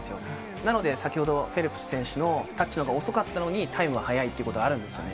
なので、先ほどフェルプス選手のタッチのほうが遅かったのに、タイムが速いってことがあるんですね。